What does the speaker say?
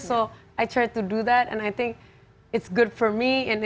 jadi saya mencoba melakukan itu dan